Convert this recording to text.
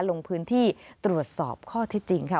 ลงพื้นที่ตรวจสอบข้อที่จริงค่ะ